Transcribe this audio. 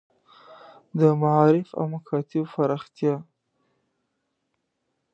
د معارف او مکاتیبو پراختیا.